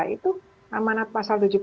itu amanat pasal tujuh puluh